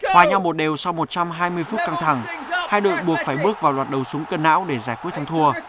hòa nhau một đều sau một trăm hai mươi phút căng thẳng hai đội buộc phải bước vào loạt đầu súng cơn não để giải quyết thắng thua